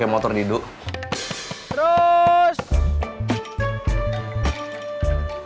katanya nggak jadi ada kasus sesek